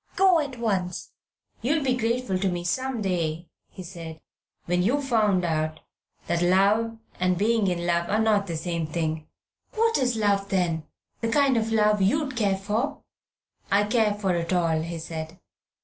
Go at once!" "You'll be grateful to me some day," he said, "when you've found out that love and being in love are not the same thing." "What is love, then? The kind of love you'd care for?" "I care for it all," he said.